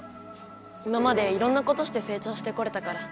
今までいろんなことしてせい長してこれたから。